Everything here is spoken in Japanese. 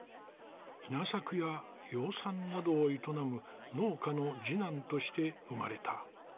稲作や養蚕などを営む農家の次男として生まれた。